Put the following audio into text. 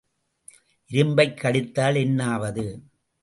இரும்பைக் கடித்தால் என்னாவது!